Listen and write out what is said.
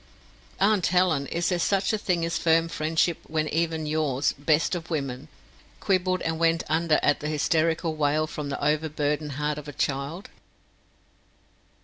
Aunt Helen, is there such a thing as firm friendship when even yours best of women quibbled and went under at the hysterical wail from the overburdened heart of a child?